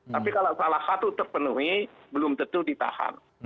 tapi kalau salah satu terpenuhi belum tentu ditahan